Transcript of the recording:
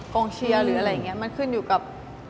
กองเชียร์หรืออะไรอย่างนี้มันขึ้นอยู่กับ